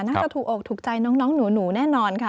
น่าจะถูกอกถูกใจน้องหนูแน่นอนค่ะ